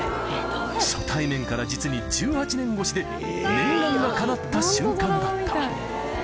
初対面から実に１８年越しで、念願がかなった瞬間だった。